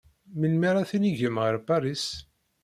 Melmi ara tinigem Ɣer Paris?